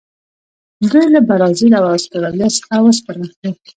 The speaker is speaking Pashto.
دوی له برازیل او اسټرالیا څخه اوسپنه اخلي.